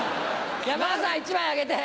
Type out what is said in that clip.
山田さん１枚あげて。